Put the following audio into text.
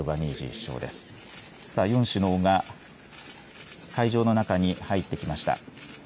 ４首脳が会場の中に入ってきました。